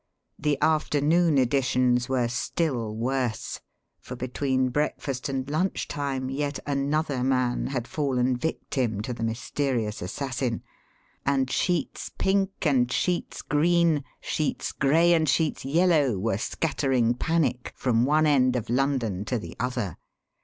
The afternoon editions were still worse for, between breakfast and lunch time, yet another man had fallen victim to the mysterious assassin and sheets pink and sheets green, sheets gray and sheets yellow were scattering panic from one end of London to the other.